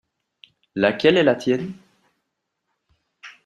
Laquelle est la tienne ?